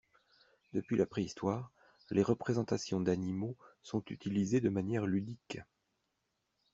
Depuis la préhistoire, les représentations d’animaux sont utilisées de manière ludique.